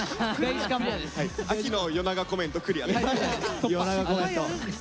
秋の夜長コメントクリアです。